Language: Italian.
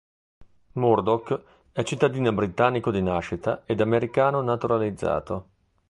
Murdoch è cittadino britannico di nascita ed americano naturalizzato.